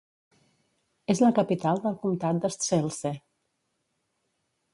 És la capital del comtat de Strzelce.